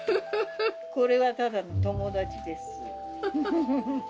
これはただの友達です。